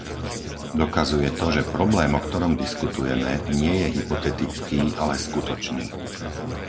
Dokazuje to, že problém, o ktorom diskutujeme, nie je hypotetický, ale skutočný.